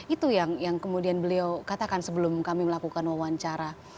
itu yang kemudian beliau katakan sebelum kami melakukan wawancara